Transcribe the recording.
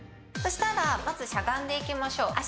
まずしゃがんでいきましょう。